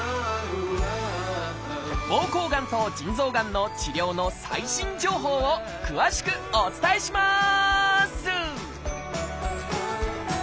膀胱がんと腎臓がんの治療の最新情報を詳しくお伝えします！